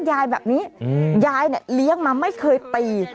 ย้ายนี่เลี้ยงมาไม่เคยตี